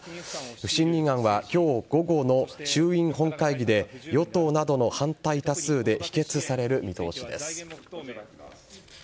不信任案は今日午後の衆院本会議で与党などの反対多数で否決される見通しです。